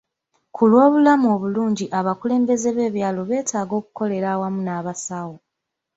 Ku lw'obulamu obulungi, abakulembeze b'ebyalo beetaaga okukolera awamu n'abasawo.